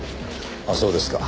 あっそうですか。